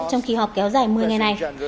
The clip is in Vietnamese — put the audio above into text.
trong khi họp kéo dài một mươi ngày này